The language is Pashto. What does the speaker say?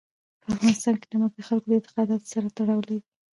په افغانستان کې نمک د خلکو د اعتقاداتو سره تړاو لري.